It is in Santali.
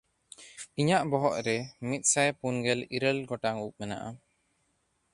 ᱤᱧᱟᱜ ᱵᱚᱦᱚᱜ ᱨᱮ ᱢᱤᱫᱥᱟᱭ ᱯᱩᱱᱜᱮᱞ ᱤᱨᱟᱹᱞ ᱜᱚᱴᱟᱝ ᱩᱵ ᱢᱮᱱᱟᱜᱼᱟ᱾